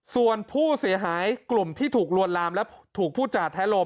ส่วนผู้เสียหายกลุ่มที่ถูกลวนลามและถูกพูดจาแท้โลม